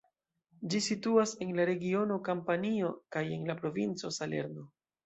Ĝi situas en la regiono Kampanio kaj en la provinco Salerno.